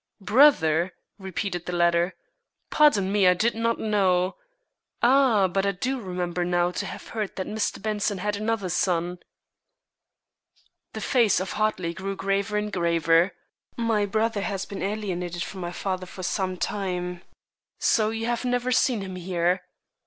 "Brother?" repeated the latter. "Pardon me, I did not know Ah, but I do remember now to have heard that Mr. Benson had another son." The face of Hartley grew graver and graver. "My brother has been alienated from my father for some time, so you have never seen him here.